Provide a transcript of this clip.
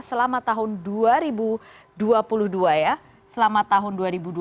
selama tahun dua ribu dua puluh dua ya selama tahun dua ribu dua puluh